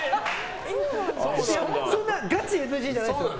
そんなガチＮＧじゃないですよ。